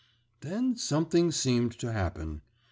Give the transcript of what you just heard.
Then something seemed to happen.